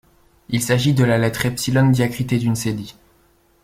Il s’agit de la lettre epsilon diacritée d’une cédille.